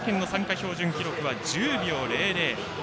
標準記録は１０秒００。